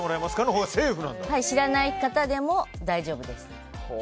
知らない方でも大丈夫です。